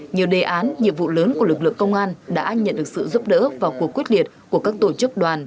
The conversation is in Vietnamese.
nhiều đề án nhiệm vụ lớn của lực lượng công an đã nhận được sự giúp đỡ và cuộc quyết điệt của các tổ chức đoàn